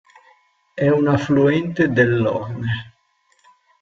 È un affluente dell'Orne.